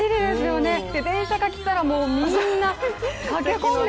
電車が来たらもうみんな駆け込んで。